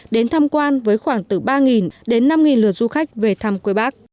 đến tham quan với khoảng từ ba đến năm lượt du khách về thăm quê bác